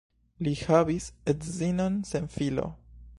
Li havis edzinon sen filo.